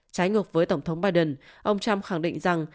trái ngược với tổng thống biden ông trump khẳng định rằng